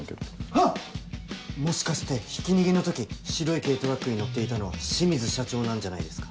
ハッもしかしてひき逃げの時白い軽トラックに乗っていたのは清水社長なんじゃないですか？